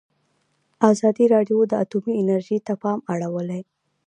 ازادي راډیو د اټومي انرژي ته پام اړولی.